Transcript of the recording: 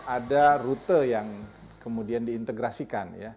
ada rute yang kemudian diintegrasikan ya